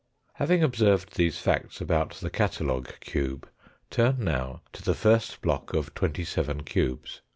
Having observed these facts about the catalogue cube, turn now to the first block of twenty seven cubes.